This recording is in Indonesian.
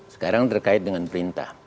sekarang terkait dengan perintah